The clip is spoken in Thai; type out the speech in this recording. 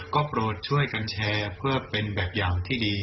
ก็โปรดช่วยกันแชร์เพื่อเป็นแบบอย่างที่ดี